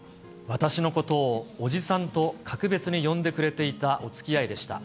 私のことをおじさんと格別に呼んでくれていたおつきあいでした。